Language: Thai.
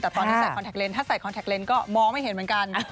แต่ตอนที่ใส่คอนแท็นถ้าใส่คอนแท็กเลนส์ก็มองไม่เห็นเหมือนกัน